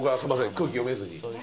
空気読めずに。